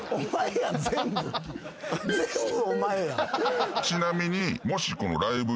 全部お前や。